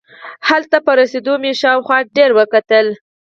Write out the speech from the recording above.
هلته په رسېدو مې شاوخوا ډېر وکتل.